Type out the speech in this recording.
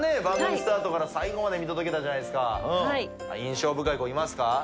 番組スタートから最後まで見届けたじゃないですか印象深い子いますか？